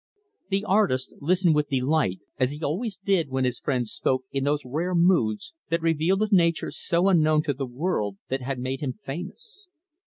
The artist listened with delight, as he always did when his friend spoke in those rare moods that revealed a nature so unknown to the world that had made him famous.